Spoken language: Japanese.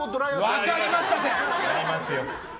分かりましたって！